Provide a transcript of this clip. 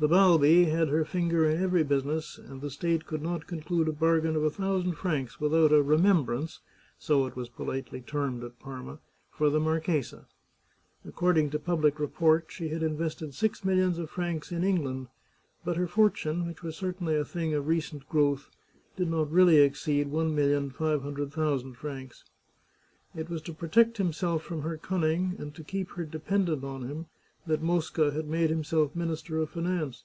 The Balbi had her finger in every business, and the state could not conclude a bargain of a thousand francs without a " remembrance," so it was politely termed at Parma, for the marchesa. According to public report she had invested six millions of francs in England, but her fortune, which was certainly a thing of recent growth, did not really exceed one million five hundred thousand francs. It was to protect himself from her cunning and to keep her dependent on him that Mosca had made himself Minister of Finance.